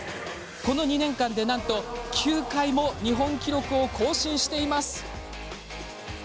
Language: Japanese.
この２年間で、なんと９回も日本記録を更新しています。